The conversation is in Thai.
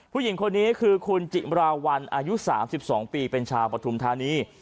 ผู้หญิงคนนี้คือคุณจิมราวัลอายุ๓๒ปีเป็นชาวปฐุมธานี